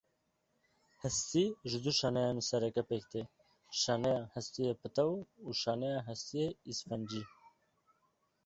Hestî ji du şaneyên sereke pêk te, şaneya hestiyê pitew û şaneya hestiyê îsfencî.